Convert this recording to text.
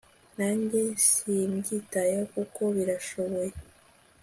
Nanjye simbyitayeho kuko barishoboye